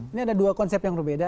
ini ada dua konsep yang berbeda